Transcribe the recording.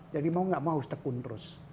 jadi mau nggak mau harus tekun terus